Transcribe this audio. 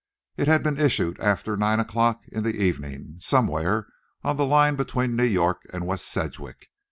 It had been issued after nine o'clock in the evening, somewhere on the line between New York and West Sedgwick.